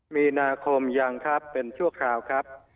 มีนาคมยังครับเป็นชั่วคราวครับ